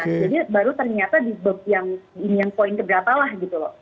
jadi baru ternyata yang point keberatalah gitu loh